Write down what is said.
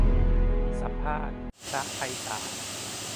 สัมภาษณ์ พระไพศาล